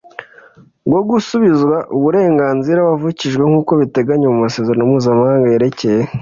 bwo gusubizwa uburenganzira wavukijwe nk uko biteganywa mu Masezerano Mpuzamahanga yerekeye